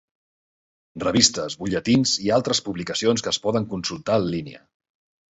Revistes, butlletins i altres publicacions que es poden consultar en línia.